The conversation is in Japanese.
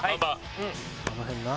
あの辺な。